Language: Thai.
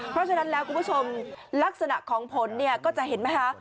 เพราะฉะนั้นแล้วคุณผู้ชมลักษณะของผลเนี่ยก็จะเห็นไหมคะ